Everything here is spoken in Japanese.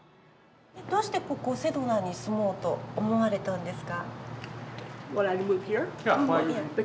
どうしてここセドナに住もうと思われたんですか？